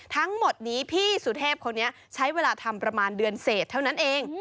ทั้งหมดนี้พี่สุเทพคนนี้ใช้เวลาทำประมาณเดือนเศษเท่านั้นเอง